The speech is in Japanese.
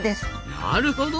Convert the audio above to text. なるほど！